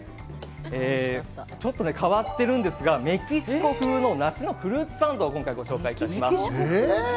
ちょっと変わってるんですが、メキシコ風の梨のフルーツサンドを今回、ご紹介します。え！